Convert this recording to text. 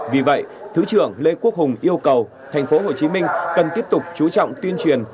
vì vậy thứ trưởng lê quốc hùng yêu cầu tp hcm cần tiếp tục chú trọng tuyên truyền